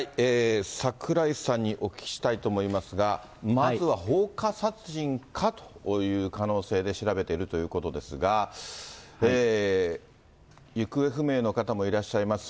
櫻井さんにお聞きしたいと思いますが、まずは放火殺人かという可能性で調べているということですが、行方不明の方もいらっしゃいます。